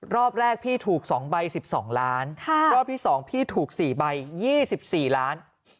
รอบแรกพี่ถูก๒ใบ๑๒ล้านรอบที่๒พี่ถูก๔ใบ๒๔ล้าน